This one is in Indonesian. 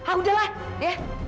ah udahlah ya